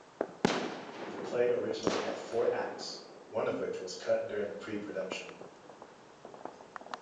The play originally had four acts, one of which was cut during pre-production.